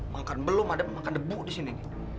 makan belum ada makan debu di sini